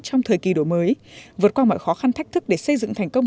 trong thời kỳ đổi mới vượt qua mọi khó khăn thách thức để xây dựng thành công